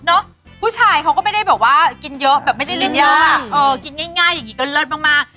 ผู้ชายเขาก็ไม่ได้แบบว่ากินเยอะแบบไม่ได้เล่นเยอะอ่ะเออกินง่ายอย่างนี้ก็เลิศมาก